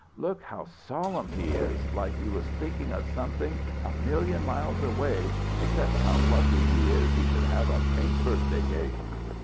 "Look how solemn he is, like he was thinking of something a million miles away except how lucky he is he should have a pink birthday cake!